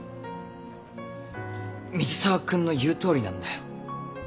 水沢君の言うとおりなんだよ。